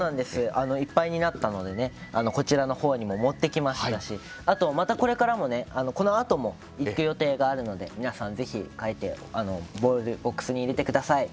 いっぱいになったのでこちらのほうにも持ってきましたしまたこれからもこのあとも、行く予定があるので皆さん、ぜひ書いて、ボールをボックスに入れてください。